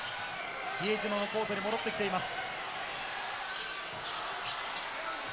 比江島もコートに戻ってきています。